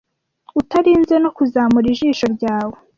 utarinze no kuzamura ijisho ryawe